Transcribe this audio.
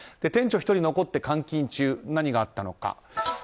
店長１人残って監禁中何があったのか。